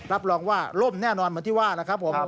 รับรองว่าล่มแน่นอนเหมือนที่ว่านะครับผม